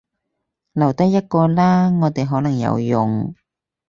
留低一個啦，我哋可能有用